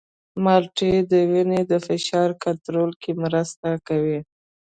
مالټې د وینې د فشار کنټرول کې مرسته کوي.